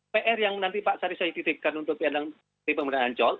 pr yang nanti pak sari saya titipkan untuk di pemerintahan ancol